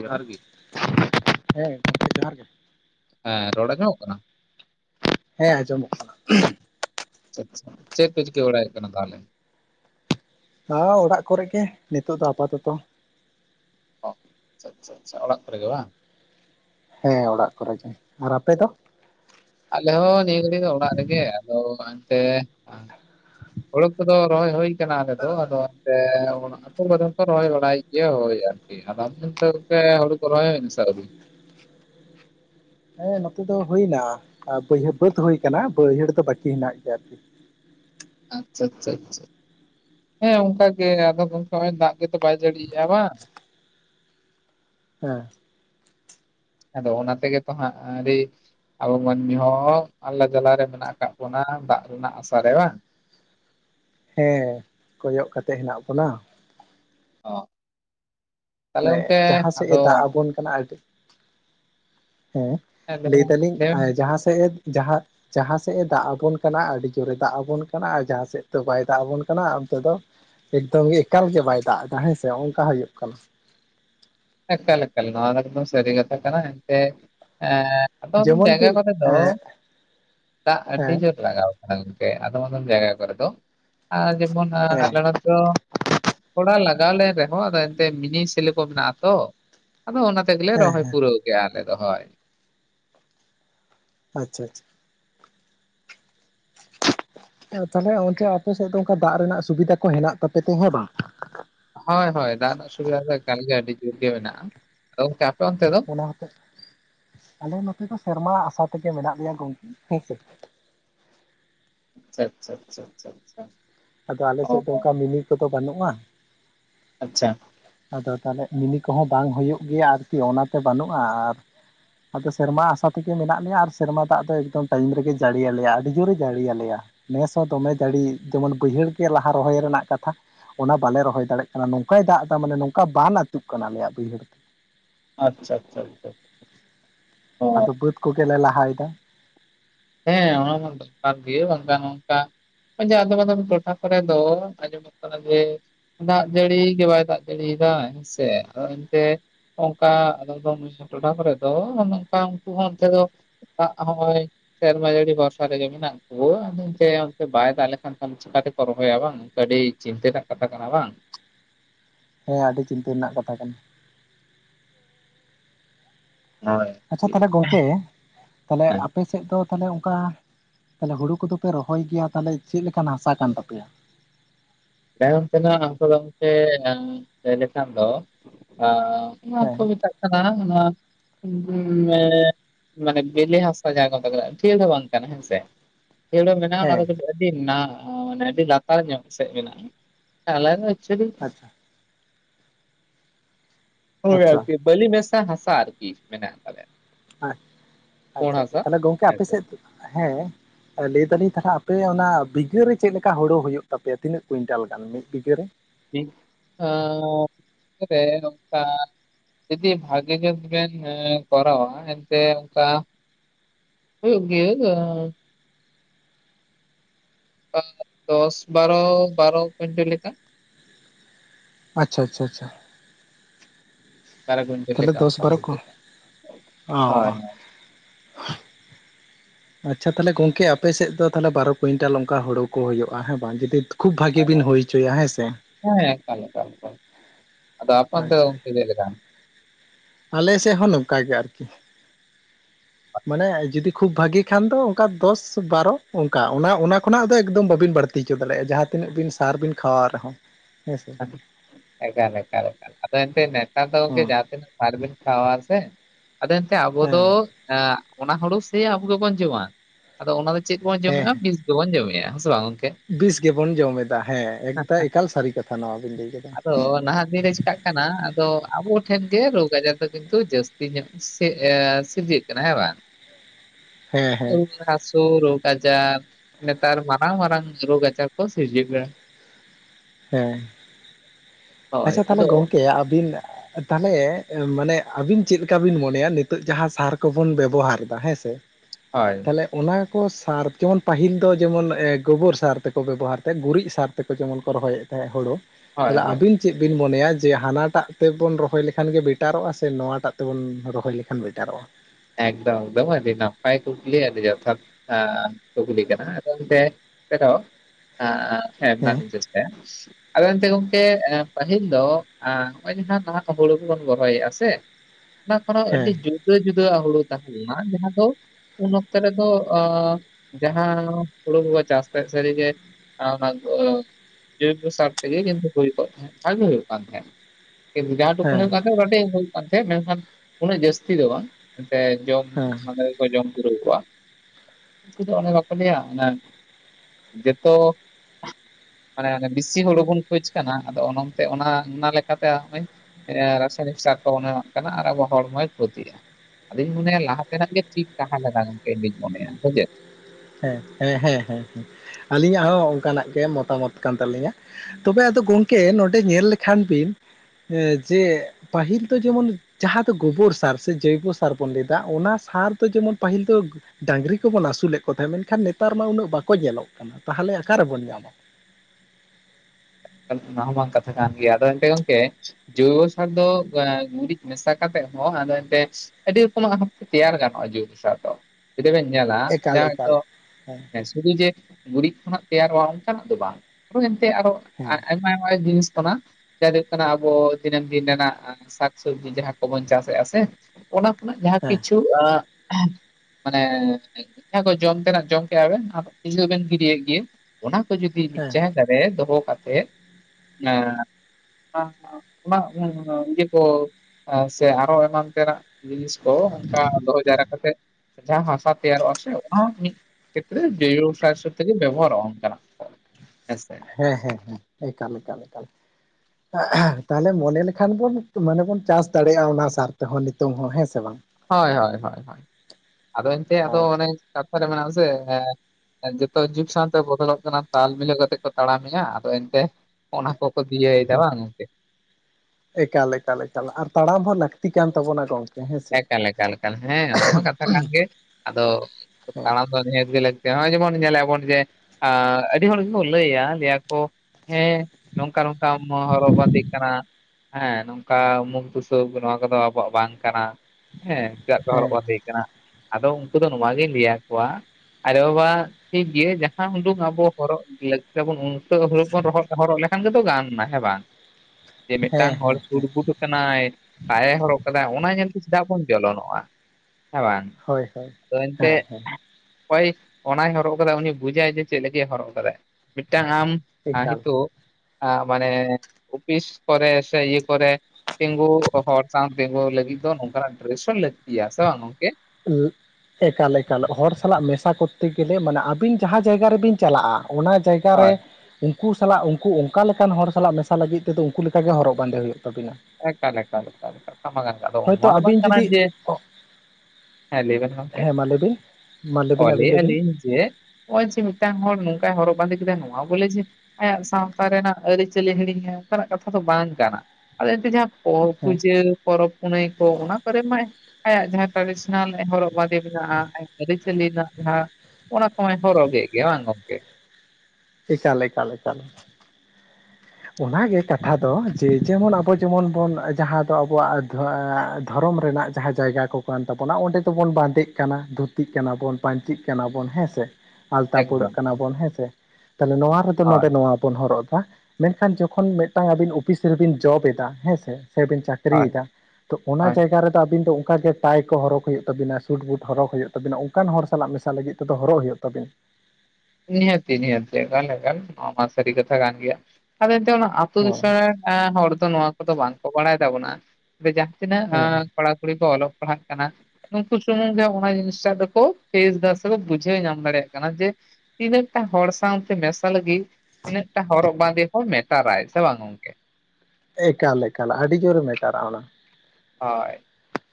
ᱡᱚᱦᱟᱨ ᱜᱮ ᱦᱮᱞᱚ ᱦᱮᱸ ᱜᱚᱢᱠᱮ ᱡᱚᱦᱟᱨ ᱜᱮ ᱦᱮᱸ ᱨᱚᱲ ᱟᱸᱡᱚᱢᱚᱜ ᱠᱟᱱᱟ? ᱦᱮᱸ ᱟᱸᱡᱚᱢᱚᱜ ᱠᱟᱱᱟ ᱟᱪᱷᱟ ᱟᱪ ᱪᱷᱟ ᱪᱮᱫ ᱠᱚ ᱪᱤᱠᱟᱹ ᱵᱟᱲᱟ ᱠᱟᱱᱟ ᱛᱟᱦᱚᱞᱮ ᱦᱚ ᱚᱲᱟᱜ ᱠᱚᱨᱮ ᱜᱮ ᱱᱤᱛᱚᱜ ᱫᱚ ᱟᱯᱟᱛᱚ ᱛᱚ ᱚ ᱟᱪ ᱪᱷᱟ ᱟᱪ ᱪᱷᱟ ᱟᱪ ᱪᱷᱟ ᱚᱲᱟᱜ ᱠᱚᱨᱮᱜ ᱜᱮ ᱵᱟᱝ ᱦᱮᱸ ᱚᱲᱟᱜ ᱠᱚᱨᱮ ᱜᱮ ᱟᱨ ᱟᱯᱮ ᱫᱚ ᱟᱞᱮ ᱦᱚ ᱱᱤᱭᱟᱹ ᱜᱷᱟᱹᱲᱤᱡ ᱫᱚ ᱚᱲᱟᱜ ᱨᱮᱜᱮ ᱟᱫᱚ ᱮᱱᱛᱮ ᱦᱩᱲᱩ ᱠᱚᱫᱚ ᱨᱚᱦᱚᱭ ᱦᱩᱭ ᱠᱟᱱᱟ ᱟᱞᱮ ᱫᱚ ᱟᱫᱚ ᱚᱱᱛᱮ ᱠᱚ ᱨᱚᱦᱚᱭ ᱵᱟᱲᱟᱭ ᱮᱫ ᱜᱮᱭᱟ ᱦᱳᱭ ᱟᱨᱠᱤ ᱟᱫᱚᱢ ᱦᱩᱲᱩ ᱠᱚ ᱨᱚᱦᱚᱭ ᱮᱫᱟ ᱥᱮ ᱟᱣᱨᱤ ᱦᱮᱸ ᱱᱚᱛᱮ ᱫᱚ ᱦᱩᱭᱱᱟ ᱵᱟᱹᱭᱦᱟᱹᱲ ᱵᱟᱹᱫᱽ ᱦᱩᱭ ᱟᱠᱟᱱᱟ ᱵᱟᱹᱭᱦᱟᱹᱲ ᱫᱚ ᱵᱟᱹᱠᱤ ᱦᱮᱱᱟᱜ ᱜᱮᱭᱟ ᱟᱨᱠᱤ ᱟᱪᱪᱷᱟ ᱟᱪᱪᱷᱟ ᱟᱪᱪᱷᱟ ᱦᱮᱸ ᱚᱱᱠᱟ ᱜᱮ ᱟᱫᱚ‌ ᱜᱚᱢᱠᱮ ᱱᱚᱜᱼᱚᱭ ᱫᱟᱜ ᱜᱮᱛᱚ ᱵᱟᱭ ᱡᱟᱹᱲᱤᱭᱮᱜᱼᱟ ᱵᱟᱝ ᱦᱮᱸ ᱟᱫᱚ ᱚᱱᱟ ᱛᱮᱜᱮ ᱛᱚ ᱦᱟᱸᱜ ᱟᱹᱰᱤ ᱟᱵᱚ ᱢᱟᱹᱱᱢᱤ ᱦᱚᱸ ᱟᱞᱟ ᱡᱟᱞᱟ ᱨᱮ ᱢᱮᱱᱟᱜ ᱟᱠᱟᱫ ᱵᱚᱱᱟ ᱫᱟᱜ ᱨᱮᱱᱟᱜ ᱟᱥᱟᱨᱮ ᱵᱟᱝ ᱦᱮᱸ ᱠᱚᱭᱚᱜ ᱠᱟᱛᱮ ᱦᱮᱱᱟᱜ ᱵᱚᱱᱟ ᱚ ᱛᱟᱦᱚᱞᱮ ᱢᱟᱱᱮ ᱜᱚᱝᱠᱮ ᱡᱟᱦᱟᱸ ᱥᱮᱫ ᱟᱫᱚ ᱮ ᱫᱟᱜ ᱟᱵᱚᱱ ᱠᱟᱱᱟ ᱟᱹᱰᱤ ᱦᱮᱸ ᱮᱠᱟᱞ ᱞᱟᱹᱭ ᱫᱟᱞᱤᱧ ᱡᱟᱦᱟᱸ ᱥᱮᱫ ᱡᱟᱦᱟᱸ ᱡᱟᱦᱟᱸ ᱥᱮᱫ ᱮ ᱫᱟᱜ ᱟᱵᱚᱱ ᱠᱟᱱᱟ ᱟᱹᱰᱤ ᱡᱳᱨᱮ ᱫᱟᱜ ᱟᱵᱚᱱ ᱠᱟᱱᱟ ᱟᱨ ᱡᱟᱦᱟᱸ ᱥᱮᱫ ᱫᱚ ᱵᱟᱭ ᱫᱟᱜ ᱟᱵᱚᱱ ᱠᱟᱱᱟ ᱚᱱᱛᱮ ᱫᱚ ᱮᱠᱫᱚᱢ ᱜᱮ ᱮᱠᱟᱞ ᱜᱮ ᱵᱟᱭ ᱫᱟᱜ ᱟᱠᱟᱫᱟ ᱦᱮᱥᱮ ᱳᱠᱟ ᱦᱩᱭᱩᱠᱟᱱᱟ ᱮᱠᱟᱞ ᱮᱠᱟᱞ ᱱᱚᱣᱟ ᱫᱚ ᱮᱠᱫᱚᱢ ᱥᱟᱹᱨᱤ ᱠᱟᱛᱷᱟ ᱠᱟᱱᱟ ᱮᱱᱛᱮ ᱚᱠᱟ ᱚᱠᱟ ᱡᱮᱢᱚᱱ ᱡᱟᱭᱜᱟ ᱵᱤᱱ ᱠᱚᱨᱮ ᱫᱚ ᱦᱮᱸ ᱫᱟᱜ ᱟᱹᱰᱤ ᱦᱮᱸ ᱡᱳᱨ ᱞᱟᱜᱟᱣ ᱟᱠᱟᱱᱟ ᱟᱫᱚᱢ ᱟᱫᱚᱢ ᱡᱟᱭᱜᱟ ᱠᱚ ᱨᱮ ᱫᱚ ᱟᱨ ᱡᱮᱢᱚᱱᱚ ᱦᱮᱸ ᱟᱞᱮ ᱨᱮᱱ ᱚ ᱛᱷᱚᱲᱟ ᱞᱟᱜᱟᱣ ᱞᱮᱱ ᱨᱮᱦᱚᱸ ᱟᱫᱚ ᱮᱱᱛᱮ ᱢᱤᱱᱤ ᱥᱤᱞᱳ ᱠᱚ ᱢᱮᱱᱟᱜ-ᱟ ᱛᱚ ᱟᱫᱚ ᱚᱱᱟ ᱛᱮᱜᱮ ᱞᱮ ᱦᱮᱸ ᱨᱚᱦᱚᱭ ᱯᱩᱨᱟᱹᱣ ᱜᱮᱭᱟ ᱟᱞᱮ ᱫᱚ ᱦᱳᱭ ᱟᱪᱪᱷᱟ ᱟᱪᱪᱷᱟ ᱛᱟᱦᱚ ᱞᱮ ᱚᱱᱛᱮ ᱟᱯᱮ ᱥᱮᱫ ᱫᱚ ᱚᱱᱠᱟ ᱫᱟᱜ ᱨᱮᱱᱟᱜ ᱥᱩᱵᱤᱫᱟ ᱠᱚ ᱦᱮᱱᱟᱜ ᱛᱟᱯᱮ ᱛᱮ ᱦᱮᱸ ᱵᱟᱝ ᱦᱳᱭ ᱦᱳᱭ ᱫᱟᱜ ᱨᱮᱱᱟᱜ ᱥᱩᱵᱤᱫᱷᱟ ᱫᱚ ᱮᱠᱟᱞ ᱜᱮ ᱟᱹᱰᱤ ᱡᱳᱨ ᱜᱮ ᱢᱮᱱᱟᱜᱼᱟ ᱟᱫᱚ ᱜᱚᱢᱠᱮ ᱟᱯᱮ ᱚᱱᱛᱮ ᱫᱚ ᱚᱱᱟ ᱦᱚᱛᱮᱫ ᱟᱞᱮ ᱱᱚᱛᱮ ᱫᱚ ᱥᱮᱨᱢᱟ ᱟᱥᱟ ᱛᱮᱜᱮ ᱢᱮᱱᱟᱜ ᱞᱮᱭᱟ ᱜᱚᱝᱠᱮ ᱦᱮᱸ ᱥᱮ ᱟᱪᱪᱷᱟ ᱟᱪᱪᱷᱟ ᱟᱪᱪᱷᱟ ᱟᱪᱪᱷᱟ ᱟᱪᱪᱷᱟ ᱟᱫᱚ ᱟᱞᱮ ᱚ ᱥᱮᱫ ᱫᱚ ᱚᱱᱠᱟ ᱢᱤᱱᱤ ᱠᱚᱫᱚ ᱵᱟᱹᱱᱩᱜᱼᱟ ᱟᱪᱪᱷᱟ ᱟᱫᱚ ᱛᱟᱦᱚᱞᱮ ᱢᱤᱱᱤ ᱠᱚᱦᱚᱸ ᱵᱟᱝ ᱦᱩᱭᱩᱜ ᱜᱮᱭᱟ ᱟᱨᱠᱤ ᱚᱱᱟᱛᱮ ᱵᱟᱹᱱᱩᱜᱼᱟ ᱟᱨ ᱟᱫᱚ ᱥᱮᱨᱢᱟ ᱟᱥᱟ ᱛᱮᱜᱮ ᱢᱮᱱᱟᱜ ᱞᱮᱭᱟ ᱟᱨ ᱥᱮᱨᱢᱟ ᱫᱟᱜ ᱫᱚ ᱮᱠᱫᱚᱢ ᱴᱟᱭᱤᱢ ᱨᱮᱜᱮ ᱡᱟᱹᱲᱤᱭᱟ ᱞᱮᱭᱟ ᱟᱹᱰᱤ ᱡᱳᱨᱮ ᱡᱟᱹᱲᱤᱭᱟ ᱞᱮᱭᱟ ᱱᱮᱥ ᱦᱚᱸ ᱫᱚᱢᱮ ᱡᱟᱹᱲᱤ ᱡᱮᱢᱚᱱ ᱵᱟᱹᱭᱦᱟᱹᱲ ᱜᱮ ᱞᱟᱦᱟ ᱨᱚᱦᱚᱭ ᱨᱮᱱᱟᱜ ᱠᱟᱛᱷᱟ ᱚᱱᱟ ᱵᱟᱞᱮ ᱨᱚᱦᱚᱭ ᱫᱟᱲᱮᱭᱟᱜ ᱠᱟᱱᱟ ᱱᱚᱝᱠᱟᱭ ᱫᱟᱜ ᱮᱫᱟ ᱢᱟᱱᱮ ᱱᱚᱝᱠᱟ ᱵᱟᱱ ᱟᱹᱛᱩᱜ ᱠᱟᱱᱟ ᱟᱞᱮᱭᱟᱜ ᱵᱟᱹᱭᱦᱟᱹᱲ ᱛᱮ ᱟᱪᱪᱷᱟ ᱟᱪᱪᱷᱟ ᱟᱪᱪᱷᱟ ᱚ ᱟᱫᱚ ᱵᱟᱹᱫᱽ ᱠᱚᱜᱮ ᱞᱮ ᱞᱟᱦᱟᱭᱮᱫᱟ ᱦᱮᱸ ᱚᱱᱟ ᱢᱟ ᱫᱚᱨᱠᱟᱨ ᱜᱮ ᱵᱟᱝᱠᱷᱟᱱ ᱱᱚᱝᱠᱟ ᱡᱮ ᱟᱫᱚᱢ ᱟᱫᱚᱢ ᱴᱚᱴᱷᱟ ᱠᱚᱨᱮ ᱫᱚ ᱟᱸᱡᱚᱢᱚᱜ ᱠᱟᱱᱟ ᱡᱮ ᱫᱟᱜ ᱡᱟᱹᱲᱤ ᱜᱮ ᱵᱟᱭ ᱫᱟᱜ ᱡᱟᱹᱲᱤᱭᱮᱫᱟ ᱥᱮ ᱚᱱᱛᱮ ᱚᱱᱠᱟ ᱟᱫᱚ ᱴᱚᱴᱷᱟ ᱠᱚᱨᱮ ᱫᱚ ᱱᱚᱝᱠᱟ ᱩᱱᱠᱩ ᱦᱚᱸ ᱚᱱᱛᱮ ᱫᱚ ᱫᱟᱜ ᱦᱚᱜ ᱚᱭ ᱥᱮᱨᱢᱟ ᱡᱟᱹᱲᱤ ᱵᱚᱨᱥᱟ ᱨᱮ ᱡᱮ ᱢᱮᱱᱟᱜ ᱠᱚ ᱚᱱᱛᱮ ᱵᱟᱭ ᱫᱟᱜ ᱞᱮᱠᱷᱟᱱ ᱪᱤᱠᱟᱹ ᱛᱮᱠᱚ ᱨᱚᱦᱚᱭᱟ ᱵᱟᱝ ᱟᱹᱰᱤ ᱪᱤᱱᱛᱟᱹ ᱨᱮᱱᱟᱜ ᱠᱟᱛᱷᱟ ᱠᱟᱱᱟ ᱵᱟᱝ ᱦᱮᱸ ᱟᱹᱰᱤ ᱪᱤᱱᱛᱟᱹ ᱨᱮᱱᱟᱜ ᱠᱟᱛᱷᱟ ᱠᱟᱱᱟ ᱦᱳᱭ ᱟᱪᱪᱷᱟ ᱛᱟᱦᱞᱮ ᱜᱚᱝᱠᱮ ᱛᱟᱦᱞᱮ ᱟᱯᱮ ᱥᱮᱫ ᱫᱚ ᱛᱟᱦᱚᱞᱮ ᱚᱱᱠᱟ ᱛᱟᱦᱚᱞᱮ ᱦᱩᱲᱩ ᱠᱚᱫᱚ ᱯᱮ ᱨᱚᱦᱚᱭ ᱜᱮᱭᱟ ᱛᱟᱦᱚᱞᱮ ᱪᱮᱫ ᱞᱮᱠᱟᱱ ᱦᱟᱥᱟ ᱠᱟᱱ ᱛᱟᱯᱮᱭᱟ ᱟᱞᱮ ᱚᱱᱛᱮᱱᱟᱜ ᱦᱟᱥᱟ ᱫᱚ ᱞᱟᱹᱭ ᱞᱮᱠᱷᱟᱱ ᱫᱚ ᱚᱱᱟ ᱠᱚ ᱦᱮᱸ ᱢᱮᱛᱟᱜ ᱚᱱᱟ ᱢᱟᱱᱮ ᱵᱤᱞᱤ ᱦᱟᱥᱟ ᱡᱟᱦᱟᱸ ᱠᱚ ᱢᱮᱛᱟᱜ ᱟᱹᱴᱷᱭᱟᱹᱲ ᱦᱚᱸ ᱵᱟᱝ [unintelligible] ᱦᱮᱸᱥᱮ ᱠᱷᱮᱞᱳ [unintelligible] ᱢᱮᱱᱟᱜᱼᱟ ᱚᱱᱟ ᱫᱚ ᱦᱮᱸ ᱠᱟᱹᱴ ᱟᱹᱰᱤ ᱢᱟᱱᱮ ᱟᱹᱰᱤ ᱞᱟᱛᱟᱨ ᱧᱚᱜ ᱥᱮᱫ ᱢᱮᱱᱟᱜᱼᱟ ᱟᱪᱪᱷᱟ [unintelligible] ᱦᱩᱠ ᱟᱪᱪᱷᱟ ᱟᱨᱠᱤ ᱵᱟᱹᱞᱤ ᱢᱮᱥᱟ ᱦᱟᱥᱟ ᱟᱨᱠᱤ ᱢᱮᱱ--ᱟ ᱟᱪᱪᱷᱟ ᱟᱪᱪᱷᱟ ᱛᱟᱦᱞᱮ ᱜᱚᱝᱠᱮ ᱟᱯᱮ ᱦᱮᱸᱥᱮ ᱥᱮᱫ ᱦᱮᱸ ᱞᱟᱹᱭ ᱫᱟᱞᱤᱧ ᱛᱟᱦᱚᱞᱮ ᱟᱯᱮᱭᱟᱜ ᱚᱱᱟ ᱵᱤᱜᱷᱟᱹᱨᱮ ᱪᱮᱫ ᱞᱮᱠᱟ ᱦᱲᱩᱳ ᱦᱩᱭᱩᱜ ᱛᱟᱯᱮᱭᱟ ᱛᱤᱱᱟᱹᱜ ᱠᱩᱭᱤᱱᱴᱟᱞ ᱜᱟᱱ ᱢᱤᱫ ᱵᱤᱜᱷᱟᱹᱨᱮ [unintelligible] ᱱᱚᱝᱠᱟ ᱡᱩᱫᱤ ᱵᱷᱟᱜᱮ ᱡᱮ ᱵᱮᱱ ᱠᱚᱨᱟᱣᱟ ᱮᱱᱛᱮ ᱚᱱᱠᱟ ᱦᱳᱭᱳᱜ ᱜᱮᱭᱟ ᱫᱚᱥ ᱵᱟᱨᱚ ᱵᱟᱨᱚ ᱠᱩᱭᱤᱱᱴᱮᱞ ᱞᱮᱠᱟ ᱟᱪᱪᱷ ᱟᱪᱷᱟ ᱟᱪᱪᱷᱟ ᱵᱟᱨᱚ ᱠᱩᱭᱩᱱᱴᱟᱞ ᱛᱟᱦᱚᱞᱮ ᱞᱮᱠᱟ ᱫᱚᱥ ᱚᱱᱠᱟ ᱵᱟᱨᱚ ᱦᱩᱭᱩᱜ ᱠᱚ ᱜᱮᱭᱟ ᱚ ᱦᱚᱭ ᱚ ᱦᱚᱭ ᱟᱪᱪᱷᱟ ᱛᱟᱦᱚ ᱞᱮ ᱜᱚᱝᱠᱮ ᱟᱯᱮ ᱥᱮᱫ ᱫᱚ ᱚᱱᱠᱟ ᱵᱟᱨᱚ ᱠᱩᱭᱤᱱᱴᱟᱞ ᱚᱱᱠᱟ ᱦᱳᱲᱩ ᱠᱚ ᱦᱩᱭᱩᱜᱼᱟ ᱦᱮᱸ ᱵᱟᱝ ᱡᱩᱫᱤ ᱠᱷᱩᱵ ᱵᱷᱟᱹᱜᱤ ᱦᱳᱭ᱾ ᱵᱤᱱ ᱦᱩᱭ ᱚᱪᱚᱭᱟ ᱦᱮᱸ ᱥᱮ ᱦᱮᱸ ᱮᱠᱟᱞ ᱮᱠᱟᱞ ᱟᱫᱚ ᱟᱯᱮ ᱚᱱᱛᱮ ᱟᱪᱪᱷᱟ ᱪᱮᱫ ᱞᱮᱠᱟ ᱟᱞᱮ ᱥᱮᱫ ᱦᱚᱸ ᱱᱚᱝᱠᱟ ᱜᱮ ᱟᱨᱠᱤ ᱢᱟᱱᱮ ᱡᱩᱫᱤ ᱠᱷᱩᱵ ᱵᱷᱟᱜᱤ ᱠᱷᱟᱱ ᱫᱚ ᱚᱱᱠᱟ ᱫᱚᱥ ᱵᱟᱨᱚ ᱚᱱᱠᱟ ᱚᱱᱟ ᱚᱱᱟ ᱠᱷᱚᱱᱟᱜ ᱫᱚ ᱮᱠᱫᱚᱢ ᱵᱟᱵᱤᱱ ᱵᱟᱹᱲᱛ ᱛᱤ ᱦᱚᱪᱚ ᱫᱮᱲᱟᱜᱼᱟ ᱡᱟᱦᱟᱸ ᱛᱤᱱᱟᱹᱜ ᱵᱤᱱ ᱥᱟᱨ ᱵᱤᱱ ᱠᱷᱟᱣᱟᱣ ᱨᱮᱦᱚᱸ ᱦᱮᱸᱥᱮ ᱮᱠᱟᱞ ᱮᱠᱟᱞ ᱟᱫᱚ ᱮᱱᱛᱮ ᱱᱮᱛᱟᱨ ᱫᱚ ᱜᱚᱢᱠᱮ ᱦᱩᱸ ᱡᱟᱦᱟ ᱛᱤᱱᱟ. ᱜ ᱥᱟᱨᱵᱮᱱ ᱠᱷᱟᱣᱟᱣᱟ ᱥᱮ ᱟᱫᱚ ᱮᱱᱛᱮᱫ ᱟᱵᱚ ᱦᱮᱸ ᱫᱚ ᱚᱱᱟ ᱦᱩᱲᱩ ᱥᱮ ᱟᱵᱚ ᱜᱮᱵᱚᱱ ᱡᱚᱢᱟ ᱟᱫᱚ ᱚᱱᱟ ᱫᱚ ᱪᱮᱫ ᱵᱚᱱ ᱦᱮᱸ ᱡᱚᱢᱮᱜ-ᱟ ᱵᱤᱥ ᱜᱮᱵᱚᱱ ᱡᱚᱢᱮᱫ ᱟ ᱦᱮ ᱥᱮ ᱵᱟᱝ ᱜᱚᱢᱠᱮ ᱵᱤᱥ ᱜᱮᱵᱚᱱ ᱡᱚᱢ ᱮᱫᱟ ᱦᱮᱸ ᱮᱠ ᱮᱠᱟᱞ ᱥᱟᱹᱨᱤ ᱠᱟᱛᱷᱟ ᱱᱚᱣᱟᱵᱤᱱ ᱞᱟᱹᱭ ᱠᱮᱫᱟ ᱟᱫᱚ ᱱᱟᱦᱟᱜ ᱫᱤᱱᱨᱮ ᱪᱤᱠᱟᱜ ᱠᱟᱱᱟ ᱟᱫᱚ ᱟᱵᱚ ᱴᱷᱮᱱ ᱜᱮ ᱨᱳᱜᱽ ᱟᱡᱟᱨ ᱫᱚ ᱠᱤᱱᱛᱩ ᱡᱟᱹᱥᱛᱤ ᱧᱚᱜ ᱥᱤᱨᱡᱟᱹᱜ ᱠᱟᱱᱟ ᱦᱮᱸ ᱵᱟᱝ ᱦᱮᱸ ᱦᱮᱸ [unintelligible] ᱛᱚ ᱨᱳᱜ ᱟᱡᱪᱟᱨ ᱱᱮᱛᱟᱨ ᱢᱟᱨᱟᱝ ᱢᱟᱨᱟᱝ ᱨᱳᱜ ᱟᱡᱪᱟᱨ ᱠᱚ ᱥᱤᱨᱡᱟᱹᱜ ᱠᱟᱱᱟ ᱦᱮᱸ ᱦᱳᱭ ᱟᱪᱪᱷᱟ ᱛᱟᱦᱚᱞᱮ ᱟᱫᱚ ᱜᱚᱝᱠᱮ ᱟᱹᱵᱤᱱ ᱛᱟᱦᱚᱞᱮ ᱢᱟᱱᱮ ᱟᱵᱤᱱ ᱪᱮᱫᱠᱟ ᱵᱤᱱ ᱢᱚᱱᱮᱭᱟ ᱱᱤᱛᱚᱜ ᱡᱟᱦᱟᱸ ᱥᱟᱨ ᱠᱚᱵᱚᱱ ᱵᱮᱵᱚᱦᱟᱨ ᱮᱫᱟ ᱦᱮᱸ ᱥᱮ ᱦᱳᱭ ᱛᱟᱦᱚᱞᱮ ᱚᱱᱟ ᱠᱚ ᱥᱟᱨ ᱡᱮᱢᱚᱱ ᱯᱟᱹᱦᱤᱞ ᱫᱚ ᱡᱮᱢᱚᱱ ᱜᱳᱵᱚᱨ ᱥᱟᱨ ᱛᱮᱠᱚ ᱵᱮᱵᱚᱦᱟᱨ ᱛᱟᱦᱮ ᱜᱩᱨᱤᱡ ᱥᱟᱨ ᱠᱚ ᱡᱮᱢᱚᱱ ᱠᱚ ᱨᱚᱦᱚᱭᱮᱫ ᱛᱟᱦᱮᱸᱫ ᱦᱩᱲᱩ ᱛᱮ ᱦᱳᱭ ᱦᱳᱭ ᱟᱵᱤᱱ ᱪᱮᱫ ᱵᱤᱱ ᱢᱚᱱᱮᱭᱟ ᱡᱮ ᱦᱟᱱᱟᱴᱟᱜ ᱛᱮᱵᱚᱱ ᱨᱚᱦᱚᱭ ᱞᱮᱠᱷᱟᱱ ᱜᱮ ᱵᱮᱴᱟᱨᱚᱜᱼᱟ ᱥᱮ ᱱᱚᱣᱟᱴᱟᱜ ᱛᱮᱵᱚᱱ ᱨᱚᱦᱚᱭ ᱞᱮᱠᱷᱟᱱ ᱵᱮᱴᱟᱨᱚᱜᱼᱟ ᱮᱠᱫᱚᱢ ᱮᱠᱫᱚᱢ ᱟᱹᱰᱤ ᱱᱟᱯᱟᱭ ᱠᱩᱠᱞᱤ ᱟᱹᱰᱤ ᱡᱚᱛᱷᱟᱛ ᱠᱩᱠᱞᱤ ᱠᱟᱱᱟ ᱟᱫᱚ ᱮᱱᱛᱮ ᱦᱮᱸ [unintelligible] ᱟᱫᱚ ᱮᱱᱛᱮ ᱜᱚᱝᱠᱮ ᱯᱟᱹᱦᱤᱞ ᱫᱚ ᱱᱚᱜ ᱚᱭ ᱡᱟᱦᱟᱸ ᱱᱟᱦᱟᱜ ᱦᱩᱲᱩ ᱠᱚᱵᱚᱱ ᱨᱚᱦᱚᱭᱮᱫᱼᱟ ᱥᱮ ᱚᱱᱟ ᱠᱷᱚᱱᱚ ᱦᱮᱸ ᱟᱹᱰᱤ ᱡᱩᱫᱟᱹ ᱡᱩᱫᱟᱹᱣᱟᱜ ᱦᱩᱲᱩ ᱛᱟᱦᱮᱸ ᱞᱮᱱᱟ ᱡᱟᱦᱟᱸ ᱫᱚ ᱩᱱ ᱚᱠᱛᱚ ᱨᱮᱫᱚ ᱡᱟᱦᱟᱸ ᱦᱩᱲᱩ ᱠᱚᱵᱚ ᱪᱟᱥ ᱛᱟᱦᱮᱫ ᱥᱟᱹᱨᱤᱜᱮ ᱚᱱᱟ ᱠᱚ ᱡᱳᱭᱵᱚ ᱥᱟᱨ ᱛᱮᱜᱮ ᱠᱤᱱᱛᱩ ᱦᱩᱭ ᱠᱚᱜ ᱛᱟᱦᱮᱫ ᱵᱷᱟᱜᱮ ᱦᱩᱭᱩᱜ ᱠᱟᱱ ᱛᱟᱦᱮᱸᱫ ᱡᱟᱦᱟᱸ ᱴᱩᱠᱩᱴᱩᱱ ᱦᱮᱸ ᱦᱩᱭᱩᱜ ᱠᱟᱱ ᱛᱟᱦᱮᱸᱫ ᱢᱚᱴᱟᱢᱩᱴᱤ ᱦᱩᱭᱩᱜ ᱠᱟᱱ ᱛᱟᱦᱮᱸᱫ ᱢᱮᱱᱠᱷᱟᱱ ᱩᱱᱟᱹᱜ ᱡᱟᱹᱥᱛᱤ ᱫᱚ ᱵᱟᱝ ᱮᱱ ᱥᱮ ᱡᱚᱢ ᱦᱮᱸ ᱢᱟᱱᱮᱠᱚ ᱡᱚᱢ ᱯᱩᱨᱟᱹᱣ ᱠᱚᱣᱟ ᱩᱱᱠᱩ ᱫᱚ ᱚᱱᱮ ᱵᱟᱠᱚ ᱞᱟᱹᱭᱟ ᱚᱱᱟ ᱡᱮᱛᱚ ᱢᱟᱱᱮ ᱵᱤᱥᱤ ᱦᱩᱲᱩ ᱵᱚᱱ ᱠᱷᱚᱡ ᱠᱟᱱᱟ ᱟᱫᱚ ᱚᱱᱟᱛᱮ ᱚᱱᱟ ᱚᱱᱟ ᱞᱮᱠᱟᱛᱮ ᱱᱚᱜ ᱚᱭ ᱨᱟᱥᱟᱭᱱᱤᱠ ᱥᱟᱨ ᱠᱚ ᱵᱚᱱ ᱮᱢᱟᱜ ᱠᱟᱱᱟ ᱟᱨ ᱟᱵᱚ ᱦᱚᱲᱢᱚᱭ ᱠᱷᱚᱛᱤᱜᱼᱟ ᱟᱫᱚᱧ ᱢᱚᱱᱮᱭᱟ ᱞᱟᱦᱟ ᱛᱮᱱᱟᱜ ᱜᱮ ᱴᱷᱤᱠ ᱛᱟᱦᱮᱸ ᱞᱮᱱᱟ ᱜᱚᱢᱠᱮ ᱤᱧᱫᱩᱧ ᱢᱚᱱᱮᱭᱟ ᱥᱮ ᱪᱮᱫ ᱦᱮᱸ ᱦᱮᱸ ᱦᱮᱸ ᱦᱮᱸ ᱦᱮᱸ ᱟᱹᱞᱤᱧᱟᱜ ᱦᱚᱸ ᱚᱱᱠᱟᱱᱟᱜ ᱜᱮ ᱢᱚᱛᱟᱢᱚᱛ ᱠᱟᱱ ᱛᱟᱹᱞᱤᱧᱟ ᱛᱚᱵᱮ ᱟᱫᱚ ᱜᱚᱝᱠᱮ ᱱᱚᱰᱮ ᱧᱮᱞ ᱞᱮᱠᱷᱟᱱ ᱵᱤᱱ ᱡᱮ ᱯᱟᱹᱦᱤᱞ ᱫᱚ ᱡᱮᱢᱚᱱ ᱡᱟᱦᱟᱸ ᱫᱚ ᱜᱳᱵᱚᱨ ᱥᱟᱨ ᱥᱮ ᱡᱳᱭᱵᱚ ᱥᱟᱨ ᱵᱚᱱ ᱞᱟᱹᱭᱫᱟ ᱚᱱᱟ ᱥᱟᱨ ᱫᱚ ᱡᱮᱢᱚᱱ ᱯᱟᱹᱦᱤᱞ ᱫᱚ ᱰᱟᱝᱨᱤ ᱠᱚᱵᱚᱱ ᱟᱹᱥᱩᱞᱮᱫ ᱠᱚ ᱛᱟᱦᱮᱸᱫ ᱢᱮᱱᱠᱷᱟᱱ ᱱᱮᱛᱟᱨ ᱢᱟ ᱩᱱᱟᱹᱜ ᱵᱟᱠᱚ ᱧᱮᱞᱚᱜ ᱠᱟᱱᱟ ᱛᱟᱦᱚᱞᱮ ᱚᱠᱟᱨᱮᱵᱚᱱ ᱧᱟᱢᱟ ᱚᱱᱟᱦᱚ ᱵᱟᱝ ᱠᱟᱛᱷᱟ ᱠᱟᱱ ᱜᱮᱭᱟ ᱟᱫᱚ ᱮᱱᱛᱮ ᱜᱚᱢᱠᱮ ᱡᱳᱭᱵᱚᱥᱟᱨ ᱫᱚ ᱜᱩᱨᱤᱡ ᱢᱮᱥᱟ ᱠᱟᱛᱮᱫ ᱦᱚᱸ ᱟᱫᱚ ᱮᱱᱛᱮ ᱟᱹᱰᱤ ᱨᱚᱠᱚᱢᱟᱜᱛᱮ ᱛᱮᱭᱟᱨ ᱜᱟᱱᱚᱜᱼᱟ ᱡᱩᱭᱵᱚ ᱥᱟᱨ ᱫᱚ ᱡᱩᱫᱤ ᱵᱮᱱ ᱧᱮᱞᱟ ᱮᱠᱟᱞ ᱡᱟᱦᱟᱸ ᱮᱠᱟᱞ ᱫᱚ ᱦᱮᱸ ᱦᱩ ᱡᱮ ᱜᱩᱨᱤᱡ ᱠᱷᱚᱱᱟᱜ ᱛᱮᱭᱟᱨᱚᱜᱼᱟ ᱚᱱᱠᱟᱱᱟᱜ ᱫᱚ ᱵᱟᱝ ᱮᱱᱛᱮ ᱟᱨᱦᱚ ᱦᱮᱸ ᱟᱨ ᱟᱭᱢᱟ ᱟᱭᱢᱟ ᱡᱤᱱᱤᱥ ᱠᱟᱱᱟ ᱡᱟᱦᱟᱸ ᱦᱩᱭᱩᱜ ᱠᱟᱱᱟ ᱟᱵᱚ ᱫᱤᱱᱟᱹᱢ ᱫᱤᱱ ᱨᱮᱱᱟᱜ ᱥᱟᱠᱥᱚᱵᱽᱡᱤ ᱡᱟᱦᱟᱸ ᱠᱚᱵᱚᱱ ᱪᱟᱥᱮᱫᱼᱟ ᱥᱮ ᱚᱱᱟ ᱠᱷᱚᱱᱟᱜ ᱡᱟᱦᱟᱸ ᱦᱮᱸ ᱠᱤᱪᱷᱩ ᱢᱟᱱᱮ ᱡᱚᱢᱛᱮᱱᱟᱜ ᱡᱚᱢ ᱠᱮᱟᱵᱮᱱ ᱠᱤᱡᱩ ᱵᱮᱱ ᱜᱤᱰᱤᱭᱮᱫ ᱜᱮ ᱚᱱᱟ ᱠᱚ ᱡᱩᱫᱤ ᱢᱤᱫ ᱦᱮᱸ ᱡᱟᱭᱜᱟ ᱨᱮ ᱫᱚᱦᱚ ᱠᱟᱛᱮᱫ [unintelligible] ᱤᱭᱟᱹ ᱠᱚ ᱥᱮ ᱟᱨᱦᱚ ᱮᱢᱟᱱ ᱛᱮᱱᱟᱜ ᱡᱤᱱᱤᱥ ᱠᱚ ᱚᱱᱠᱟ ᱫᱚᱦᱚ ᱡᱟᱣᱨᱟ ᱠᱟᱛᱮᱫ ᱡᱟᱦᱟᱸ ᱦᱟᱥᱟ ᱛᱮᱭᱟᱨᱚᱜ ᱟᱥᱮ ᱚᱱᱟ ᱢᱤᱫ ᱠᱷᱮᱛᱨᱮ ᱡᱳᱭᱳ ᱥᱟᱨ ᱦᱤᱥᱟᱹᱵ ᱛᱮᱜᱮ ᱵᱮᱵᱚᱦᱟᱨᱚᱜᱼᱟ ᱚᱱᱠᱟ ᱱᱟᱜ ᱦᱮᱸ ᱥᱮ ᱦᱮᱸ ᱦᱮᱸ ᱦᱮᱸ ᱮᱠᱟᱞ ᱮᱠᱟᱞ ᱮᱠᱟᱞ [inaudible] ᱛᱟᱦᱞᱮ ᱢᱚᱱᱮ ᱞᱮᱠᱷᱟᱱ ᱵᱚᱱ ᱢᱟᱱᱮ ᱵᱚᱱ ᱪᱟᱥ ᱫᱟᱲᱮᱭᱟᱜᱼᱟ ᱚᱱᱟ ᱥᱟᱨ ᱛᱮᱦᱚᱸ ᱱᱤᱛᱚᱝ ᱦᱚᱸ ᱦᱮᱸ ᱥᱮ ᱵᱟᱝ ᱦᱳᱭ ᱦᱳᱭ ᱦᱳᱭ ᱦᱳᱭ ᱟᱫᱚ ᱮᱱᱛᱮ ᱟᱫᱚ ᱟᱪᱪᱷᱟ ᱚᱱᱮ ᱟᱪᱪᱷᱟ ᱠᱟᱛᱷᱟᱨᱮ ᱢᱮᱱᱟᱜᱼᱟ ᱟᱥᱮ ᱦᱮᱸ ᱡᱚᱛᱚ ᱡᱩᱜᱽ ᱥᱟᱶᱛᱮ ᱵᱚᱫᱚᱞᱚᱜ ᱠᱟᱱᱟ ᱛᱟᱞ ᱢᱤᱞᱟᱹᱣ ᱠᱟᱛᱮᱜ ᱠᱚ ᱛᱟᱲᱟᱢᱮᱜ - ᱟ ᱟᱫᱚ ᱮᱱᱛᱮ ᱚᱱᱟ ᱯᱚᱠ ᱫᱤᱭᱟᱹᱭᱫᱟ ᱦᱮᱸ ᱵᱟᱝ ᱮᱠᱟᱞ ᱮᱠᱟᱞ ᱮᱠᱟᱞ ᱟᱨ ᱛᱟᱲᱟᱢ ᱦᱚᱸ ᱞᱟᱹᱠᱛᱤ ᱠᱟᱱ ᱛᱟᱵᱚᱱᱟ ᱜᱚᱝᱠᱮ ᱦᱮᱸᱥᱮ ᱮᱠᱟᱞ ᱮᱠᱟᱞ ᱮᱠᱟᱞ ᱦᱮᱸ ᱚᱱᱟᱢᱟ ᱠᱟᱛᱷᱟ ᱠᱟᱱ ᱜᱮ ᱟᱫᱚ ᱦᱮᱸ ᱱᱚᱜᱼᱚᱭ ᱡᱮᱢᱚᱱ ᱧᱮᱞᱵᱚᱱ ᱡᱮ ᱟᱹᱰᱤ ᱦᱚᱲ ᱜᱮᱵᱚᱱ ᱞᱟᱹᱭᱟ ᱞᱭᱟ ᱠᱚ ᱦᱮᱸ ᱱᱚᱝᱠᱟ ᱱᱚᱝᱠᱟᱢ ᱦᱚᱨᱚᱜ ᱵᱟᱸᱫᱮᱜ ᱠᱟᱱᱟ ᱦᱮᱸ ᱱᱚᱝᱠᱟ ᱩᱢᱩᱠ ᱫᱩᱥᱩᱠ ᱱᱚᱣᱟ ᱠᱚᱫᱚ ᱟᱵᱚᱣᱟᱜ ᱵᱟᱝ ᱠᱟᱱᱟ ᱦᱮᱸ ᱪᱟᱜ ᱠᱚ ᱦᱚᱨᱚᱜ ᱦᱮᱸ ᱵᱟᱸᱫᱮ ᱠᱟᱱᱟ ᱟᱫᱚ ᱩᱱᱠᱩ ᱫᱚ ᱱᱚᱣᱟᱜᱤᱧ ᱞᱟᱹᱭ ᱟᱠᱚᱣᱟ ᱟᱨᱮ ᱵᱟᱵᱟ ᱴᱷᱤᱠ ᱜᱮᱭᱟ ᱡᱟᱦᱟᱸ ᱦᱩᱰᱩᱝ ᱟᱵᱚ ᱦᱚᱨᱚᱜ ᱞᱟᱹᱠᱛᱟᱵᱚᱱ [unintelligible] [unintelligible] ᱵᱚᱱ ᱦᱚᱨᱚᱜ ᱞᱮᱠᱷᱟᱱ ᱜᱮᱛᱚ ᱜᱟᱱ ᱮᱱᱟ ᱦᱮᱸ ᱵᱟᱝ ᱡᱮ ᱢᱤᱫᱴᱟᱝ ᱦᱮᱸ ᱦᱚᱲ ᱦᱮᱸ ᱥᱩᱲ ᱵᱩᱴ ᱟᱠᱟᱱᱟᱭ ᱴᱟᱭ ᱦᱚᱨᱚᱜ ᱠᱟᱱᱟᱫᱟᱭ ᱚᱱᱟ ᱧᱮᱞᱛᱮ ᱪᱮᱫᱟᱜ ᱵᱚᱱ ᱡᱚᱞᱚᱱᱚᱜᱼᱟ ᱦᱮᱸ ᱵᱟᱝ ᱦᱳᱭ ᱦᱳᱭ ᱟᱫᱚ ᱦᱮᱸ ᱮᱱᱛᱮᱫ ᱦᱮᱸ ᱚᱠᱚᱭ ᱚᱱᱟᱭ ᱦᱚᱨᱚᱜ ᱟᱠᱟᱫᱟ ᱩᱱᱤ ᱵᱩᱡᱟᱭ ᱡᱮ ᱪᱮᱫ ᱞᱟᱹᱜᱤᱫ ᱦᱚᱨᱚᱜ ᱟᱠᱟᱫᱟ ᱢᱤᱫᱴᱟᱝ ᱟᱢ ᱮᱠᱟᱞ ᱦᱤᱛᱳᱜ ᱟ ᱢᱟᱱᱮ ᱚᱯᱷᱤᱥ ᱠᱚᱨᱮ ᱥᱮ ᱤᱭᱟᱹ ᱠᱚᱨᱮ ᱛᱤᱝᱜᱩ ᱦᱚᱲ ᱥᱟᱶ ᱛᱤᱝᱜᱩ ᱞᱟᱹᱜᱤᱫ ᱫᱚ ᱱᱚᱝᱠᱟᱱᱟᱜ ᱰᱨᱮᱥ ᱦᱚᱸ ᱞᱟᱹᱠᱛᱤᱭᱟ ᱥᱮ ᱵᱟᱝ ᱜᱚᱝᱠᱮ ᱩ [unintelligible] ᱮᱠᱟᱞ ᱮᱠᱟᱞ ᱦᱚᱲ ᱥᱟᱞᱟᱜ ᱢᱮᱥᱟ ᱠᱚᱨᱛᱮ ᱜᱮᱞᱮ ᱢᱟᱱᱮ ᱟᱹᱵᱤᱱ ᱡᱟᱦᱟᱸ ᱡᱟᱭᱜᱟ ᱨᱮᱵᱤᱱ ᱪᱟᱞᱟᱜᱼᱟ ᱚᱱᱟ ᱡᱟᱭᱜᱟ ᱪᱟᱨᱮ ᱦᱳᱭ ᱩᱱᱠᱩ ᱥᱟᱞᱟᱜ ᱩᱱᱠᱩ ᱚᱱᱠᱟ ᱞᱮᱠᱟᱱ ᱦᱚᱲ ᱥᱟᱞᱟᱜ ᱢᱮᱥᱟ ᱞᱟᱹᱜᱤᱫ ᱛᱮᱫᱚ ᱩᱱᱠᱩ ᱞᱮᱠᱟ ᱜᱮ ᱦᱚᱨᱚᱜ ᱵᱟᱸᱫᱮ ᱦᱩᱭᱩᱜ ᱛᱟᱵᱤᱱᱟ ᱮᱠᱟ ᱮᱠᱟᱞ ᱠᱟᱛᱷᱟ ᱠᱟᱱ ᱜᱮᱭᱟ ᱱᱟᱣᱟ ᱦᱳᱭᱛᱳ ᱫᱚ ᱵᱟᱝ ᱟᱹᱵᱤᱱ ᱠᱟᱱᱟ‌ ᱡᱩᱫᱤ ᱡᱮ ᱦᱮᱸ ᱞᱟ. ᱭᱵᱮᱱ ᱦᱮᱸ ᱢᱟ ᱞᱟᱹᱭ ᱵᱤᱱ ᱢᱟ ᱚ ᱵᱤᱱ ᱟᱹᱵᱤᱱ ᱞᱟᱹᱭ ᱟᱹ ᱵᱤᱱ ᱞᱤᱧ ᱡᱮ ᱱᱚᱜᱼᱚᱭ ᱡᱮ ᱢᱤᱫᱴᱟᱝ ᱦᱚᱲ ᱱᱚᱝᱠᱟᱭ ᱦᱚᱨᱚᱜ ᱵᱟᱸᱫᱮ ᱠᱮᱫᱟ ᱱᱚᱣᱟ ᱵᱚᱞᱮ ᱡᱮ ᱟᱭᱟᱜ ᱥᱟᱶᱛᱟ ᱨᱮᱱᱟᱜ ᱟᱹᱨᱤᱪᱟᱹᱞᱤ ᱦᱤᱲᱤᱧᱟ ᱚᱱᱠᱟᱱᱟᱜ ᱠᱟᱛᱷᱟ ᱫᱚ ᱵᱟᱝ ᱠᱟᱱᱟ ᱟ ᱡᱟᱦᱟᱸ ᱦᱮᱸ ᱯᱩᱡᱟᱹ ᱯᱚᱨᱟᱠᱚᱵᱽ ᱯᱩᱱᱟᱹᱭ ᱠᱚ ᱚᱱᱟ ᱠᱚᱨᱮ ᱢᱟᱭ ᱟᱭᱟᱜ ᱡᱟᱦᱟᱸ ᱴᱨᱟᱰᱤᱥᱚᱱᱟᱞ ᱦᱚᱨᱚᱜ ᱵᱟᱸᱫᱮ ᱢᱮᱱᱟᱜᱼᱟ, ᱟᱹᱨᱤ-ᱪᱟᱹᱞᱤ ᱨᱮᱱᱟᱜ ᱡᱟᱦᱟᱸ ᱚᱱᱟ ᱠᱚᱦᱚᱭ ᱦᱚᱨᱚᱜ ᱜᱮᱜ-ᱜᱮ ᱦᱟᱝ ᱜᱚᱢᱠᱮ? ᱦᱤᱥᱟᱞ ᱮᱠᱟᱞ ᱮᱠᱟᱞ ᱾ [inaudible] ᱚᱱᱟᱜᱮ ᱠᱟᱛᱷᱟ ᱫᱚ ᱡᱮ ᱡᱮᱢᱚᱱ ᱟᱵᱚ ᱡᱮᱢᱚᱱ ᱵᱚᱱ ᱡᱟᱦᱟᱸ ᱫᱚ ᱟᱵᱚᱣᱟᱜ ᱫᱷᱚ-ᱮ-ᱫᱷᱚᱨᱚᱢ ᱨᱮᱱᱟᱜ ᱡᱟᱦᱟᱸ ᱡᱟᱭᱜᱟ ᱠᱚ ᱠᱟᱱ ᱛᱟᱵᱚᱱᱟ ᱚᱸᱰᱮ ᱫᱚᱵᱚᱱ ᱵᱟᱸᱫᱮᱜ ᱠᱟᱱᱟ, ᱫᱷᱩᱛᱤᱜ ᱠᱟᱱᱟ ᱵᱚᱱ, ᱯᱟᱹᱧᱪᱤᱜ ᱠᱟᱱᱟ ᱵᱚᱱ, ᱦᱮᱸ ᱥᱮ? ᱟᱞᱛᱟ ᱯᱟᱹᱨᱟᱹᱜ ᱮᱠᱫᱚᱢ ᱠᱟᱱᱟ ᱵᱚᱱ ᱦᱮᱸᱥᱮ ᱛᱟᱦᱞᱮ ᱱᱚᱣᱟ ᱨᱮᱫᱚ ᱦᱳᱭ ᱱᱚᱰᱮ ᱱᱚᱣᱟ ᱵᱚᱱ ᱦᱚᱨᱚᱜ ᱮᱫᱟ ᱢᱮᱱᱠᱷᱟᱱ ᱡᱚᱠᱷᱚᱱ ᱢᱤᱫᱴᱟᱝ ᱟᱵᱤᱱ ᱚᱯᱷᱤᱥ ᱨᱮᱵᱤᱱ ᱡᱚᱵ ᱮᱫᱟ ᱦᱮᱸᱵᱤᱱ ᱪᱟᱹᱠᱨᱤ ᱦᱳᱭ ᱪᱟᱹᱠᱨᱤᱭᱮᱫᱟ ᱛᱚ ᱦᱳᱭ ᱚᱱᱟ ᱡᱟᱭᱜᱟ ᱨᱮᱫᱚ ᱟᱹᱵᱤᱱ ᱫᱚ ᱚᱱᱠᱟᱜᱮ ᱴᱟᱭ ᱠᱚ ᱦᱚᱨᱚᱜ ᱦᱩᱭᱩᱜ ᱛᱟᱹᱵᱤᱱᱟ ᱥᱩᱴᱵᱩᱴ ᱦᱚᱨᱚᱜ ᱦᱩᱭᱩᱜ ᱛᱟᱵᱤᱱᱟ ᱚᱱᱠᱟᱱ ᱦᱚᱲ ᱥᱟᱞᱟᱜ ᱢᱮᱥᱟ ᱞᱟᱹᱜᱤᱫ ᱛᱮᱫᱚ ᱦᱚᱨᱚᱜ ᱦᱩᱭᱩᱜ ᱛᱟᱹᱵᱤᱱᱟ ᱱᱤᱦᱟᱹᱛᱤ ᱱᱤᱦᱟᱹᱛᱤ ᱮᱠᱟᱞ ᱮᱠᱟᱞ ᱱᱚᱣᱟ ᱢᱟ ᱥᱟᱹᱨᱤ ᱠᱟᱛᱷᱟ ᱠᱟᱱ ᱜᱮᱭᱟ ᱟᱫᱚ ᱮᱱᱛᱮ ᱚᱱᱟ ᱟᱹᱛᱩ ᱦᱮᱸ ᱫᱤᱥᱚᱢ ᱨᱮ ᱦᱚᱲ ᱫᱚ ᱱᱚᱣᱟ ᱠᱚᱫᱚ ᱵᱟᱝᱠᱚ ᱵᱟᱲᱟᱭ ᱛᱟᱵᱚᱱᱟ ᱡᱟᱦᱟᱸ ᱛᱤᱱᱟᱹᱜ ᱦᱮᱸ ᱠᱚᱲᱟ-ᱠᱩᱲᱤ ᱠᱚ ᱚᱞᱚᱜ ᱯᱟᱲᱦᱟᱜ ᱠᱟᱱᱟ ᱾ ᱱᱩᱠᱩ ᱥᱩᱢᱩᱝ ᱜᱮ ᱚᱱᱟ ᱡᱤᱱᱤᱥ ᱴᱟᱜ ᱫᱚᱠᱚ ᱯᱷᱮᱥ ᱫᱟ ᱥᱮᱠᱚ ᱵᱩᱡᱷᱟᱹᱣ ᱧᱟᱢ ᱫᱟᱲᱮᱭᱟᱜ ᱠᱟᱱᱟ ᱡᱮ ᱛᱤᱱᱟᱹᱜᱴᱟ ᱦᱚᱲ ᱥᱟᱶᱛᱮ ᱢᱮᱥᱟ ᱞᱟᱹᱜᱤᱫ ᱛᱤᱱᱟᱹᱜᱴᱟ ᱦᱚᱨᱚᱜ ᱵᱟᱸᱫᱮ ᱦᱚᱸᱭ ᱢᱮᱴᱟᱨᱟᱭ ᱥᱮ ᱵᱟᱝ ᱜᱚᱝᱠᱮ? ᱮᱠᱟᱞ ᱮᱠᱟᱞ ᱟᱰᱤ ᱡᱳᱨᱮ ᱢᱮᱴᱟᱨᱟ ᱚᱱᱟ ᱾ ᱦᱚᱭ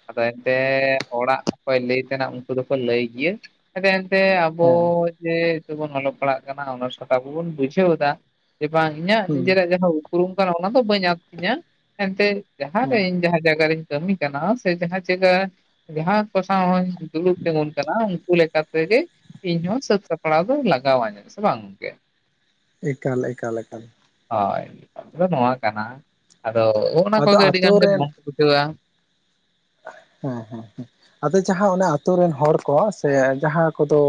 ᱟᱫᱚ ᱮᱱᱛᱮᱜ ᱦᱚᱲᱟᱜ ᱚᱠᱚᱭ ᱞᱟᱹᱭ ᱛᱮᱱᱟ ᱩᱱᱠᱩ ᱫᱚᱠᱚ ᱞᱟᱹᱭ ᱜᱤᱭᱟᱹ ᱾ ᱟᱫᱚ ᱮᱱᱛᱮ ᱟᱵᱚ ᱦᱮᱸ ᱡᱮ ᱤᱛᱚᱜ ᱵᱚᱱ ᱚᱞᱚᱜ ᱯᱟᱲᱦᱟᱜ ᱠᱟᱱᱟ ᱚᱱᱟ ᱥᱟᱛᱟ ᱟᱵᱚ ᱵᱚᱱ ᱵᱩᱡᱷᱟᱹᱣ ᱫᱟ ᱾ ᱡᱮ ᱵᱟᱝ ᱤᱧᱟᱹᱜ ᱦᱩᱸ ᱱᱤᱡᱮᱨᱟᱜ ᱡᱟᱦᱟᱸ ᱩᱯᱨᱩᱢ ᱠᱟᱱᱟ ᱚᱱᱟ ᱫᱚ ᱵᱟᱹᱧ ᱟᱫ ᱛᱤᱧᱟᱹ ᱮᱱᱛᱮ ᱦᱩᱸ ᱡᱟᱦᱟᱸᱨᱮ ᱤᱧ ᱡᱟᱦᱟ ᱡᱟᱭᱜᱟ ᱨᱤᱧ ᱠᱟᱹᱢᱤ ᱠᱟᱱᱟ ᱥᱮ ᱡᱟᱦᱟᱸ ᱡᱟᱭᱜᱟ ᱡᱟᱦᱟᱸ ᱠᱚ ᱥᱟᱶ ᱦᱚᱧ ᱫᱩᱲᱩᱵ ᱛᱤᱜᱩᱱ ᱠᱟᱱᱟ ᱩᱱᱠᱩ ᱞᱮ ᱠᱟᱛᱮ ᱜᱮ ᱤᱧ ᱦᱚᱸ ᱥᱟᱹᱛ ᱥᱟᱯᱲᱟᱣ ᱫᱚ ᱞᱟᱜᱟᱣᱟᱹᱧᱟᱹ ᱥᱮ ᱵᱟᱝ ᱜᱚᱢᱠᱮ? ᱮᱠᱟᱞ ᱮᱠᱟᱞ ᱮᱠᱟᱞ ᱾ ᱦᱳᱭ ᱫᱚ ᱱᱚᱣᱟ ᱠᱟᱱᱟ ᱟᱫᱚ ᱦᱚᱸᱜᱼᱱᱟ ᱟᱫᱚ ᱠᱚᱜᱮ ᱟᱹᱰᱤ ᱜᱟᱱ ᱟᱛᱳ ᱜᱮ ᱨᱮᱱ ᱵᱟᱝᱠᱚ ᱵᱩᱡᱷᱟᱹᱣᱟ ᱾ ᱦᱮᱸ ᱦᱮᱸ ᱦᱮᱸ ᱾ ᱟᱫᱚ ᱡᱟᱦᱟᱸ ᱚᱱᱟ ᱟᱛᱳ ᱨᱮᱱ ᱦᱚᱲ ᱠᱚ ᱥᱮ ᱡᱟᱦᱟᱸ ᱠᱚᱫᱚ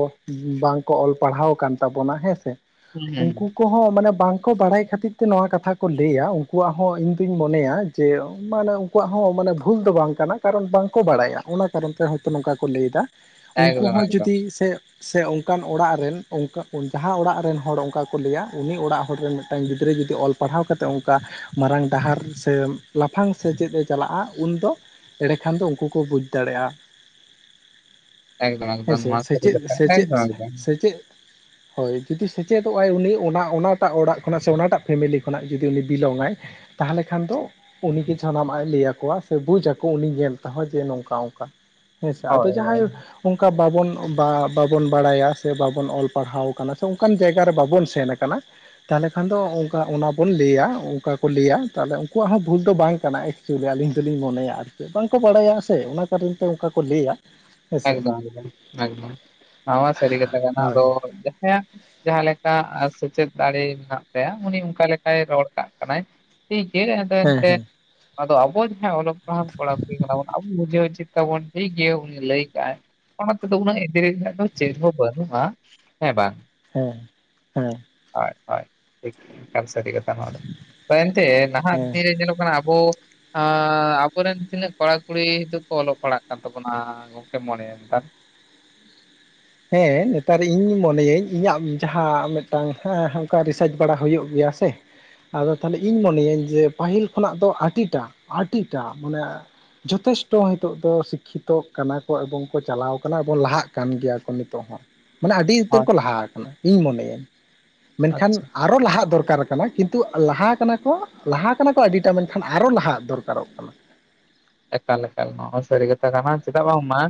ᱵᱟᱝ ᱠᱚ ᱚᱞ ᱯᱟᱲᱦᱟᱣ ᱠᱟᱱ ᱾ ᱛᱟᱵᱚᱱᱟ ᱦᱮᱸ ᱥᱮ ᱦᱩᱸ ᱦᱩᱸ ᱩᱱᱠᱩ ᱠᱚᱦᱚᱸ ᱢᱟᱱᱮ ᱵᱟᱝ ᱠᱚ ᱵᱟᱲᱟᱭ ᱠᱷᱟᱛᱤᱨ ᱛᱮ ᱱᱚᱣᱟ ᱠᱟᱛᱷᱟ ᱠᱚ ᱞᱟᱹᱭᱟ ᱩᱱᱠᱩ ᱣᱟᱜ ᱦᱚᱸ ᱤᱧ ᱫᱩᱧ ᱢᱚᱱᱮᱭᱟ ᱡᱮ ᱢᱟᱱᱮ ᱠᱚᱣᱟᱜ ᱦᱚᱸ ᱢᱟᱱᱮ ᱵᱷᱩᱞ ᱫᱚ ᱵᱟᱝ ᱠᱟᱱᱟ ᱾ ᱠᱟᱨᱚᱱ ᱵᱟᱝ ᱠᱚ ᱵᱟᱲᱟᱭᱟ ᱚᱱᱟ ᱠᱟᱨᱚᱱ ᱛᱮ ᱦᱚᱭ ᱛᱚ ᱱᱚᱝᱠᱟ ᱠᱚ ᱞᱟᱹᱭ ᱫᱟ ᱾ ᱩᱱᱠᱩ ᱮᱠᱫᱚᱢ ᱦᱚᱸ ᱮᱠᱫᱚᱢ ᱡᱩᱫᱤ ᱥᱮ ᱥᱮ ᱚᱝᱠᱟᱱ ᱚᱲᱟᱜ ᱨᱮᱱ ᱚᱱᱠᱟ ᱚᱝ-ᱯᱟᱲᱦᱟᱣ ᱚᱲᱟᱜ ᱨᱮᱱ ᱦᱚᱲ ᱚᱱᱠᱟ ᱠᱚ ᱞᱟᱹᱭᱟ ᱩᱱᱤ ᱚᱲᱟᱜ ᱦᱚᱲ ᱨᱮᱱ ᱢᱤᱫᱴᱟᱝ ᱜᱤᱫᱽᱨᱟᱹ ᱡᱩᱫᱤ ᱚᱞ ᱯᱟᱲᱦᱟᱣ ᱠᱟᱛᱮᱜ ᱚᱱᱠᱟ ᱢᱟᱨᱟᱝ ᱰᱟᱦᱟᱨ ᱥᱮ ᱞᱟᱯᱷᱟᱝ ᱥᱮ ᱪᱮᱫ ᱮ ᱪᱟᱞᱟᱜ-ᱟ ᱩᱱ ᱫᱚ ᱮᱲᱮ ᱠᱷᱟᱱ ᱫᱚ ᱩᱱᱠᱩ ᱠᱚ ᱵᱩᱡᱽ ᱫᱟᱲᱮᱜ-ᱟ ᱾ ᱮᱠᱫᱚᱢ ᱦᱮᱸ ᱮᱠᱫᱚᱢ ᱥᱮ ᱱᱚᱣᱟ ᱥᱮ ᱥᱟᱹᱨᱤ ᱠᱟᱛᱷᱟ ᱪᱮᱫ-ᱥᱮ ᱮᱠᱫᱚᱢ ᱮᱠᱫᱚᱢ ᱪᱮᱜ-ᱥᱮ ᱪᱮᱜ? ᱦᱚᱭ ᱡᱩᱫᱤ ᱥᱮᱪᱮᱫᱚᱜ-ᱟᱭ ᱩᱱᱤ ᱚᱱᱟ ᱚᱱᱟ ᱴᱟᱜ ᱚᱲᱟᱜ ᱠᱷᱚᱱᱟᱜ ᱥᱮ ᱚᱱᱟ ᱴᱟᱜ ᱯᱷᱮᱢᱮᱞᱤ ᱠᱷᱚᱱᱟᱜ ᱡᱩᱫᱤ ᱩᱱᱤ ᱵᱤᱞᱚᱝᱼᱟᱭ ᱛᱟᱦᱚᱞᱮ ᱠᱷᱟᱱ ᱫᱚ ᱩᱱᱤ ᱜᱤ ᱡᱷᱟᱱᱟᱢ ᱟᱜ ᱮ ᱞᱟᱹᱭ ᱟᱠᱚᱣᱟ ᱥᱮ ᱵᱩᱡᱟ ᱠᱚ ᱩᱱᱤ ᱧᱮᱞ ᱛᱮ ᱦᱚᱸ ᱡᱮ ᱱᱚᱝᱠᱟ ᱚᱱᱠᱟ ᱦᱮᱸ ᱥᱮ ᱟᱫᱚ ᱦᱳᱭ ᱦᱳᱭ ᱡᱟᱦᱟᱸᱭ ᱚᱝᱠᱟ ᱵᱟᱵᱚᱱ ᱵᱟ-ᱵᱟᱵᱚᱱ ᱵᱟᱲᱟᱭᱟ ᱥᱮ ᱵᱟᱵᱚᱱ ᱚᱞ ᱯᱟᱲᱦᱟᱣ ᱠᱟᱱᱟ ᱥᱮ ᱚᱱᱠᱟᱱ ᱡᱟᱭᱜᱟ ᱨᱮ ᱵᱟᱵᱚᱱ ᱥᱮᱱ ᱟᱠᱟᱱᱟ ᱾ ᱛᱟᱦᱚᱞᱮ ᱠᱷᱟᱱ ᱫᱚ ᱚᱱᱠᱟ ᱚᱱᱟ ᱵᱚᱱ ᱞᱟᱹᱭᱟ ᱚᱱᱠᱟ ᱠᱚ ᱞᱟᱹᱭᱟ ᱛᱟᱦᱚᱞᱮ ᱩᱱᱠᱩ ᱣᱟᱜ ᱦᱚᱸ ᱵᱷᱩᱞ ᱫᱚ ᱵᱟᱝ ᱠᱟᱱᱟ ᱾ ᱪᱩᱭᱞᱤ ᱟᱹᱞᱤᱧ ᱫᱚ ᱞᱤᱧ ᱢᱚᱱᱮᱭᱟ ᱟᱨ ᱠᱤ ᱵᱟᱝ ᱠᱚ ᱵᱟᱲᱟᱭᱟ ᱥᱮ ᱚᱱᱟ ᱠᱟᱨᱚᱱ ᱛᱮ ᱚᱱᱠᱟ ᱠᱚ ᱞᱟᱹᱭᱟ ᱾ ᱮᱠᱫᱚᱢ ᱮᱠᱫᱚᱢ ᱮᱠᱫᱚᱢ ᱱᱚᱣᱟ ᱢᱟ ‌ᱥᱟᱹᱨᱤ ᱠᱟᱛᱷᱟ ᱠᱟᱱᱟ ᱦᱳᱭ ᱟᱫᱚ ᱡᱟᱦᱟᱸ ᱡᱟᱦᱟᱸ ᱞᱮᱠᱟ ᱟ ᱥᱮᱪᱮᱫ ᱫᱟᱲᱮ ᱢᱮᱱᱟᱜ ᱛᱟᱭᱟ ᱩᱱᱤ ᱚᱱᱠᱟ ᱞᱮᱠᱟᱭ ᱨᱚᱲ ᱠᱟᱜ ᱠᱟᱱᱟᱭ ᱾ ᱴᱤᱡ ᱜᱮ ᱟᱫᱟ ᱦᱮᱸ ᱚᱱᱛᱮ ᱦᱮᱸ ᱟᱫᱚ ᱟᱵᱚ ᱡᱟᱦᱟᱸ ᱚᱞᱚᱜ ᱯᱟᱲᱦᱟᱜ ᱠᱚᱲᱟ ᱠᱩᱲᱤ ᱠᱟᱱᱟ ᱵᱚᱱ ᱟᱵᱚ ᱵᱩᱡᱷᱟᱹᱣ ᱩᱪᱤᱛ ᱾ ᱛᱟᱵᱚᱱ ᱴᱷᱤᱠ ᱜᱮᱭᱟᱹ ᱩᱱᱤ ᱞᱟᱹᱭ ᱠᱟᱜ-ᱟᱭ ᱚᱱᱟ ᱛᱮᱫᱚ ᱩᱱᱟᱹᱜ ᱮᱫᱽᱨᱮ ᱨᱮᱱᱟᱜ ᱫᱚ ᱪᱮᱫ ᱦᱚᱸ ᱵᱟᱹᱱᱩᱜ-ᱟ ᱦᱮᱸ ᱵᱟᱝ? ᱦᱮᱸ ᱾ [unintelligible] ᱮᱠᱟᱞ‌ ᱥᱟᱹᱨᱤ ᱠᱟᱛᱷᱟ ᱱᱚᱣᱟ ᱫᱚ ᱛᱟ ᱮᱱᱛᱮ ᱱᱟᱦᱟᱜ ᱦᱮᱸ ᱫᱤᱱ ᱨᱮ ᱧᱮᱞᱚᱜ ᱠᱟᱱᱟ ᱟᱵᱚ ᱟ ᱟᱵᱚ ᱨᱮᱱ ᱛᱤᱱᱟᱹᱜ ᱠᱚᱲᱟ ᱠᱩᱲᱤ ᱦᱤᱸᱛᱩᱜ ᱠᱚ ᱚᱞᱚᱜ ᱯᱟᱲᱦᱟᱜ ᱠᱟᱱ ᱛᱟᱵᱚᱱᱟ ᱜᱚᱝᱠᱮ ᱢᱚᱱᱮ ᱭᱟᱢ‌ ᱱᱮᱛᱟᱨᱼᱼ ᱦᱮᱸ ᱱᱮᱛᱟᱨ ᱤᱧ ᱢᱚᱱᱮ ᱭᱟᱹᱧ ᱤᱧᱟᱜ ᱡᱟᱦᱟᱸ ᱢᱮᱫᱴᱟᱝ ᱦᱮᱸ ᱚᱱᱠᱟ ᱨᱤᱥᱟᱪ ᱵᱟᱲᱟ ᱦᱩᱭᱩᱜ ᱜᱤᱭᱟ ᱥᱮᱼᱼ ᱟᱫᱚ ᱛᱟᱦᱚᱞᱮ ᱤᱧ ᱢᱚᱱᱮ ᱭᱟᱹᱧ ᱡᱮ ᱯᱟᱹᱦᱤᱞ ᱠᱷᱚᱱᱟᱜ ᱫᱚ ᱟᱰᱤ ᱴᱟᱜ ᱟᱰᱤ ᱴᱟᱜ ᱢᱟᱱᱮ ᱚᱼᱼ ᱡᱷᱚᱛᱮᱥᱴᱚ ᱦᱤᱸᱛᱚᱜ ᱫᱚ ᱥᱤᱠᱠᱷᱤᱛᱚᱜ ᱠᱟᱱᱟ ᱠᱚ ᱮᱵᱚᱝ ᱠᱚ ᱪᱟᱞᱟᱣ ᱠᱟᱱᱟ ᱵᱚᱝ ᱞᱟᱦᱟᱜ ᱠᱟᱱ ᱜᱮᱭᱟ ᱱᱤᱛᱚᱜ ᱦᱚᱸ ᱢᱟᱱᱮ ᱟᱰᱤ ᱩᱛᱟᱹᱨ ᱦᱳᱭ ᱠᱚ ᱞᱟᱦᱟ ᱟᱠᱟᱱᱟ ᱤᱧ ᱢᱚᱱᱮ ᱭᱟᱹᱧ ᱢᱮᱱᱠᱷᱟᱱ ᱟᱪᱪᱷᱟ ᱟᱼᱼ ᱟᱨᱚ ᱞᱟᱦᱟᱜ ᱫᱚᱨᱠᱟᱨ ᱠᱟᱱᱟ ᱠᱤᱱᱛᱩ ᱞᱟᱦᱟ ᱠᱟᱱᱟ ᱠᱚ ᱞᱟᱦᱟ ᱠᱟᱱᱟ ᱠᱚ ᱟᱰᱤ ᱴᱟᱜ ᱢᱮᱱ ᱠᱷᱟᱱ ᱟᱨᱚ ᱞᱟᱦᱟᱜ ᱫᱚᱨᱠᱟᱨᱚᱜ ᱠᱟᱱᱟ᱾ ᱮᱠᱟᱞ ᱮᱠᱟᱞ ᱱᱚᱶᱟ ᱦᱚᱸ ᱥᱟᱹᱨᱤ ᱠᱟᱛᱷᱟ ᱠᱟᱱᱟ ᱪᱮᱫᱟᱜ ᱵᱟᱝ ᱢᱟᱼᱼ